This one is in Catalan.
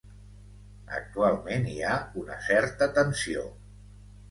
Actualment hi ha una certa tensió.